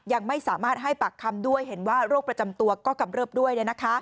ยังไม่สามารถให้ปากคำด้วยเห็นว่าโรคประจำตัวก็กำเริบด้วย